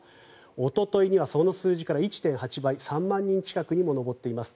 おとといにはその数字から１．８倍３万人近くにも上っています。